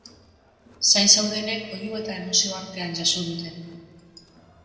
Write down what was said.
Zain zeudenek oihu eta emozio artean jaso dute.